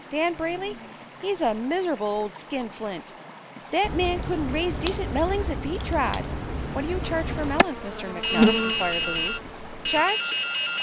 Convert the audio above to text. "Dan Brayley, he's a miser'ble ol' skinflint. Thet man couldn't raise decent mellings ef he tried." "What do you charge for melons, Mr. McNutt?" inquired Louise. "Charge?